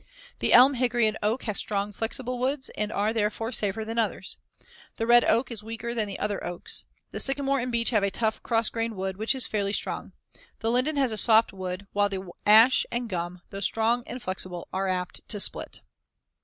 The elm, hickory and oak have strong, flexible woods and are, therefore, safer than others. The red oak is weaker than the other oaks. The sycamore and beech have a tough, cross grained wood which is fairly strong. The linden has a soft wood, while the ash and gum, though strong and flexible, are apt to split.